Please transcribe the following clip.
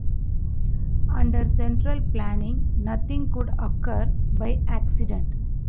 Under central planning, nothing could occur by accident.